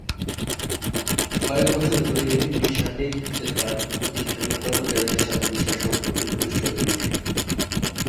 কয়েক বছর ধরে নিসার নেতৃত্বে তার প্রতিষ্ঠানের কর্মচারীদের সাথে নিসার সম্পর্ক ঘনিষ্ঠ হয়ে উঠে।